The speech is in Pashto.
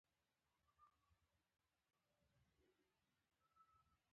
په ډولۍ کې خاروئ.